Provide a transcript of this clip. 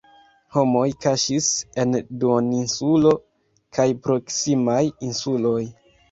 Homoj kaŝis en duoninsulo kaj proksimaj insuloj.